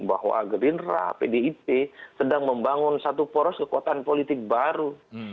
bahwa gerindra pdip sedang membangun satu poros kekuatan politik baru